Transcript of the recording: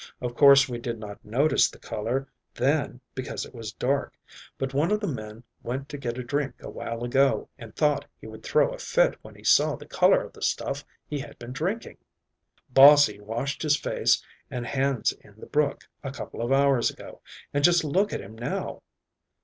Of course we did not notice the color then because it was dark, but one of the men went to get a drink a while ago and I thought he would throw a fit when he saw the color of the stuff he had been drinking. Bossie washed his face and hands in the brook a couple of hours ago and just look at him now."